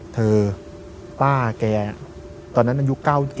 เธอป้าแกตอนนั้นอายุ๙๗